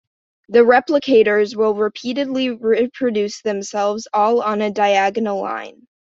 The replicators will repeatedly reproduce themselves, all on a diagonal line.